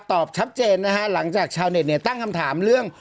ตอบชับเจนหลังจากชาวเน็ตตั้งคำถามเรื่อง